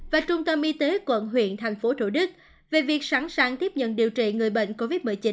và trung tâm y tế quận huyện tp hcm về việc sẵn sàng tiếp nhận điều trị người bệnh covid một mươi chín